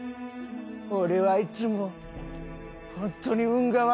俺はいつも本当に運が悪すぎる！